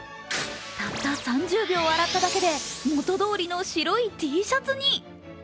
たった３０秒洗っただけで元どおりの白いＴシャツに。